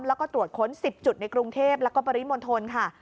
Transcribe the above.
แล้วก็ตรวจค้น๑๐จุดในกรุงเทพแล้วก็ปริมณฑลค่ะ